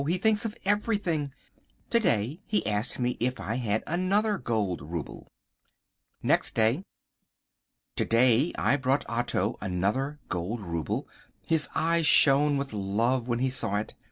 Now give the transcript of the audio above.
He thinks of everything. To day he asked me if I had another gold rouble. Next Day. To day I brought Otto another gold rouble. His eyes shone with love when he saw it.